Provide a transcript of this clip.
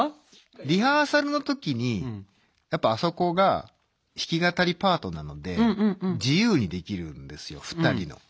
リハーサルの時にやっぱあそこが弾き語りパートなので自由にできるんですよ２人の。